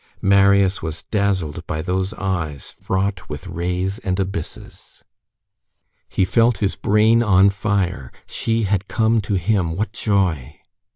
Marius was dazzled by those eyes fraught with rays and abysses. He felt his brain on fire. She had come to him, what joy!